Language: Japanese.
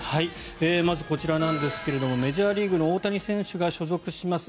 まずこちらなんですがメジャーリーグの大谷選手が所属します